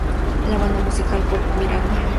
La banda musical pop Miranda!